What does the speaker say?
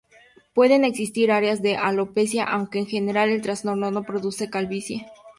Pueden existir áreas de alopecia, aunque en general el trastorno no produce calvicie.